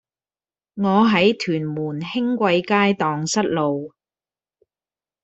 我喺屯門興貴街盪失路